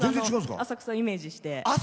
浅草をイメージして。